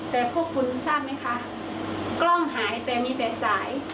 แต่พวกคุณทราบไหมคะกล้องหายแต่มีแต่สาย